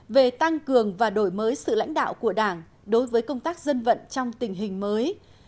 về tăng cường và đổi mới sự lãnh đạo của đảng đối với công tác dân vận trong tình hình mới